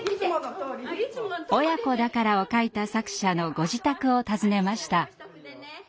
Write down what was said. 「親子だから」を書いた作者のご自宅を訪ねました。